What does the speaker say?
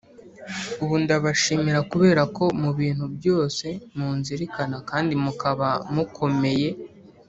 Ubu Ndabashimira Kubera Ko Mu Bintu Byose Munzirikana Kandi Mukaba Mukomeye